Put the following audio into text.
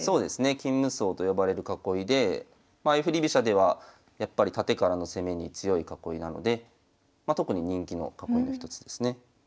金無双と呼ばれる囲いでまあ相振り飛車ではやっぱりタテからの攻めに強い囲いなので特に人気の囲いの一つですね。